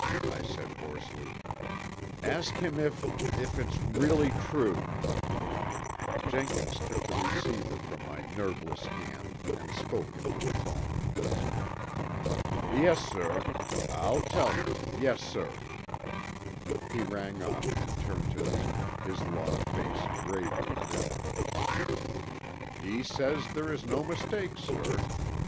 I said hoarsely. "Ask him if if it's really true!" Jenkins took the receiver from my nerveless hand and spoke into the phone. "Yes, sir. I'll tell him, yes, sir." He rang off and turned to me, his long face graver than ever. "He says there is no mistake, sir.